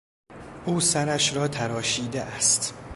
او سرش را تراشیده است.